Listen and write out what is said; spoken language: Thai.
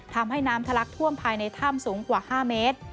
ทำให้น้ำทะลักท่วมภายในถ้ำสูงกว่า๕เมตร